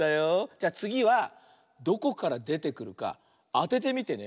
じゃあつぎはどこからでてくるかあててみてね。